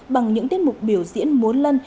bằng những tiết mục biểu diễn muôn lân